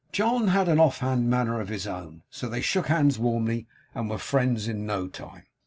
John had an off hand manner of his own; so they shook hands warmly, and were friends in no time.